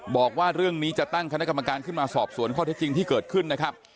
บอกว่าเรื่องนี้จะตั้งคณะกรรมการขึ้นมาสอบสวนข้อเท็จจริงที่เกิดขึ้นนะครับ